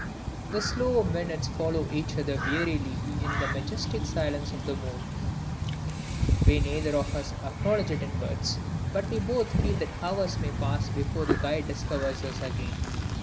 The slow minutes follow each other wearily in the majestic silence of the moor. We neither of us acknowledge it in words, but we both feel that hours may pass before the guide discovers us again.